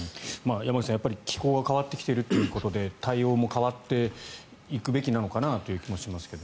山口さん、気候が変わってきているということで対応も変わっていくべきなのかなと思いますが。